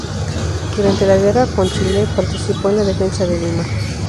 Durante la guerra con Chile participó en la defensa de Lima.